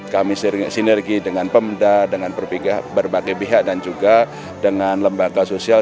kami sinergi dengan pemda dengan berbagai pihak dan juga dengan lembaga sosial